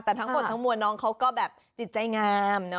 แต่ทั้งหมดทั้งมวลน้องเขาก็แบบจิตใจงามนะ